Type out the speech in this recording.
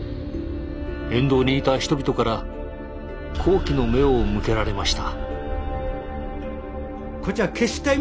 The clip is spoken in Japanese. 沿道にいた人々から好奇の目を向けられました。